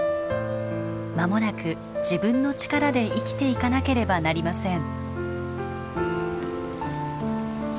まもなく自分の力で生きていかなければなりません。